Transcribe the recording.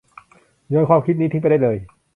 โยนความคิดนี้ทิ้งไปได้เลย